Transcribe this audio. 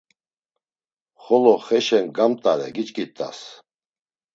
Xolo xeşen gamt̆are, giçkit̆as.